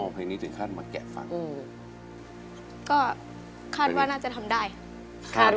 เพลงนี้ถึงขั้นมาแกะฟังอืมก็คาดว่าน่าจะทำได้คาด